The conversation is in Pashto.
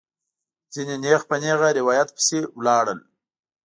ځینې نېغ په نېغه روایت پسې لاړل.